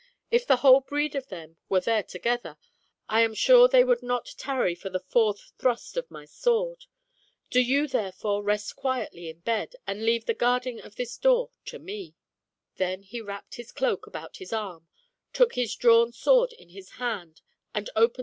If the whole breed of them were there together, I am sure they would not tarry for the fourth thrust of my sword. Do you, therefore, rest quietly in bed, and leave the guarding of this door to me." Then he wrapped his cloak about his arm, took his drawn sword in his hand, and opened SECOND T)Ar: TALE ATI. !